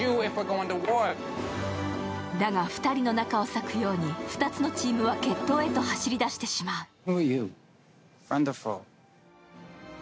だが、２人の仲を裂くように２つのチームは決闘へと走り出してしまう。